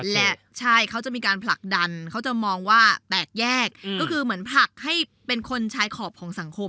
และใช่เขาจะมีการผลักดันเขาจะมองว่าแตกแยกก็คือเหมือนผลักให้เป็นคนชายขอบของสังคม